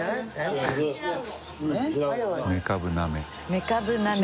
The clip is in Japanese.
めかぶなめ。